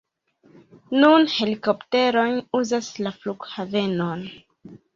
Nun helikopteroj uzas la flughavenon.